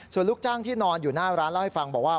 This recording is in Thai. ส่วนลูกจ้างที่นอนอยู่หน้าร้านเล่าให้ฟังบอกว่า